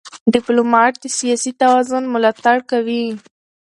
ډيپلومات د سیاسي توازن ملاتړ کوي.